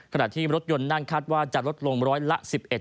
ขณะที่รถยนต์นั่งคาดว่าจะลดลงร้อยละ๑๑